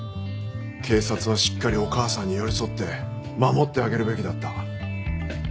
警察はしっかりお母さんに寄り添って守ってあげるべきだった。